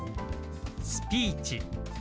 「スピーチ」。